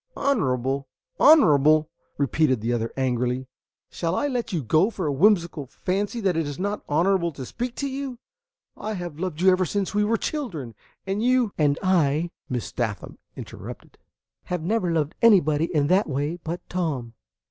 "Honorable! honorable!" repeated the other angrily. "Shall I let you go for a whimsical fancy that it is not honorable to speak to you? I have loved you ever since we were children, and you " "And I," Miss Sathman interrupted, "have never loved anybody in that way but Tom."